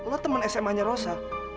lo teman sma nya rosa